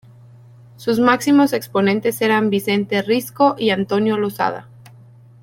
Sus máximos exponentes eran Vicente Risco y Antonio Losada.